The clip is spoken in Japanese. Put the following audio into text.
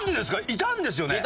いたんですよ。